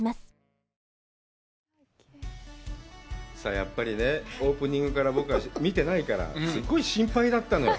やっぱりね、オープニングから、僕は見てないからすごい心配だったのよ。